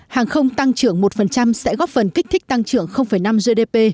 hàng không tăng trưởng một sẽ góp phần kích thích tăng trưởng năm gdp